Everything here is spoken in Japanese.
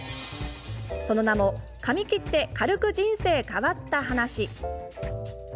その名も「髪切ってかるく人生変わった話」。